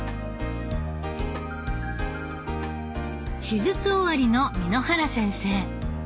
手術終わりの簑原先生。